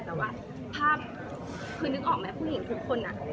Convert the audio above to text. แต่ว่าภาพคือนึกออกไหมผู้หญิงทุกคน